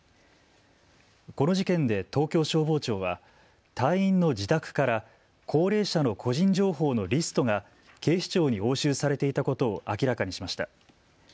この事件で東京消防庁は隊員の自宅から高齢者の個人情報のリストが警視庁に押収されていたことを明らかにしました。